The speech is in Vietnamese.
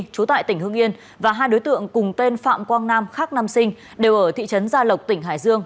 chú tại tỉnh hương yên và hai đối tượng cùng tên phạm quang nam khác nam sinh đều ở thị trấn gia lộc tỉnh hải dương